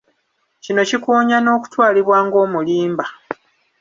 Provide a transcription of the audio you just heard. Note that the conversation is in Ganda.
Kino kikuwonya n'okutwalibwa ng'omulimba.